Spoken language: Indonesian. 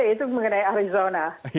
itu mengenai arizona